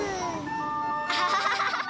アハハハハ！